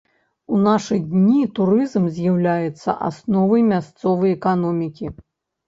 У нашы дні турызм з'яўляецца асновай мясцовай эканомікі.